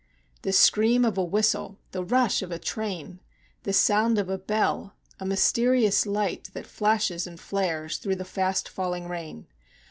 The scream of a whistle; the rush of a train! The sound of a bell! a mysterious light That flashes and flares through the fast falling rain!